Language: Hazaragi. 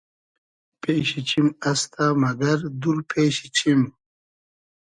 پېشی چیم استۂ مئگئر دور پېشی چیم